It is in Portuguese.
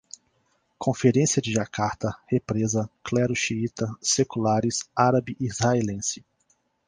Conferência de Jacarta, represa, clero xiita, seculares, árabe-israelense